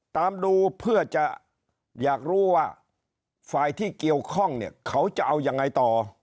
ตามดูเพื่อจะอยากรู้ว่าฝ่ายที่เกี่ยวข้องเนี่ยเขาจะเอายังไงต่อ